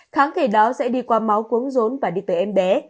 kháng thể đó sẽ đi qua máu quấn rốn và đi tới em bé